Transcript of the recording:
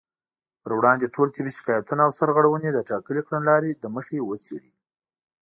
پر وړاندې ټول طبي شکايتونه او سرغړونې د ټاکلې کړنلارې له مخې وڅېړي